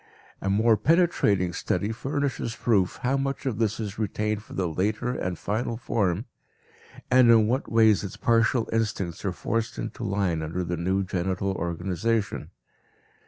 A more penetrating study furnishes proof how much of this is retained for the later and final form, and in what ways its partial instincts are forced into line under the new genital organization.